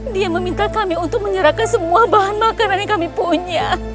dia meminta kami untuk menyerahkan semua bahan makanan yang kami punya